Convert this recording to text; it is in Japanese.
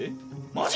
マジ！？